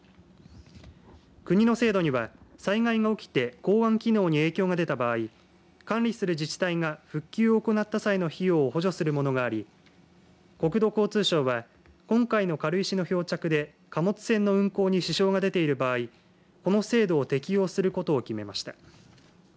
国の制度には、災害が起きて港湾機能に影響が出た場合管理する自治体が復旧を行った際の費用を補助するものがあり国土交通省は今回の軽石の漂着で貨物船の運航に支障が出ている場合、この制度を適用することを決めました。